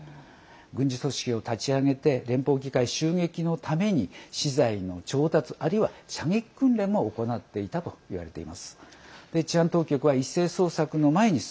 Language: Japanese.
軍事組織を立ち上げて連邦議会襲撃のために資材の調達あるいは射撃訓練も行っていたといわれています。